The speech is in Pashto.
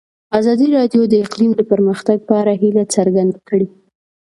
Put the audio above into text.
ازادي راډیو د اقلیم د پرمختګ په اړه هیله څرګنده کړې.